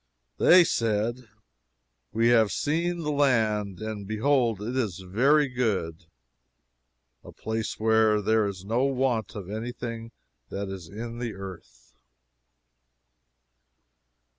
They said: "We have seen the land, and behold it is very good. A place where there is no want of any thing that is in the earth."